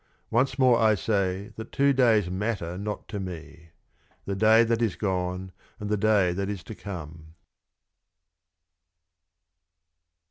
Once more I say that two Days matter not to me — the Day that is gone, and the Day that is to come.